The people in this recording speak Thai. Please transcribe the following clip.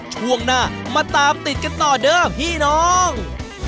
ช่วงหน้ามาตามติดกันต่อเด้อพี่น้อง